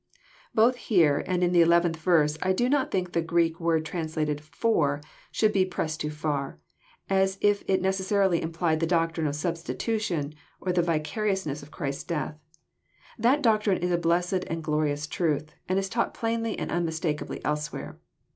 Both here and in the 11th verse, I do not think the Greek word translated for " should be pressed too far, as if It neces sarily implied the doctrine of substitution, or the vicariousness of Christ's death. That doctrine Is a blessed and glorious truth, and is taught plainly and unmistakably elsewhere.